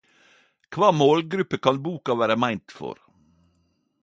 Kva målgruppe kan boka vere meint for?